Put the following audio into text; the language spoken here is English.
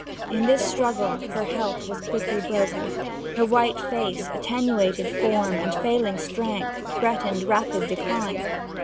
In this struggle her health was quickly broken: her white face, attenuated form, and failing strength, threatened rapid decline.